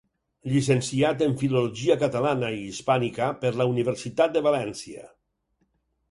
Llicenciat en Filologia Catalana i Hispànica per la Universitat de València.